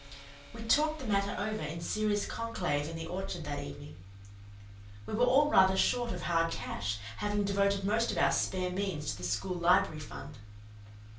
We talked the matter over in serious conclave in the orchard that evening. We were all rather short of hard cash, having devoted most of our spare means to the school library fund.